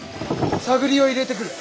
探りを入れてくる。